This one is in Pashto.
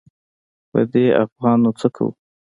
په دې افغان نو څه کوو.